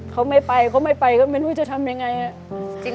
เขาไม่ไปเขาไม่ไปก็ไม่รู้จะทำยังไง